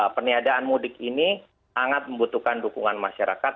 peniadaan mudik ini sangat membutuhkan dukungan masyarakat